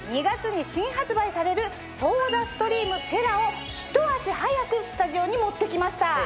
２月に新発売される「ソーダストリームＴＥＲＲＡ」をひと足早くスタジオに持って来ました。